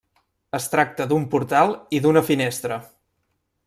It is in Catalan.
Es tracta d'un portal i d'una finestra.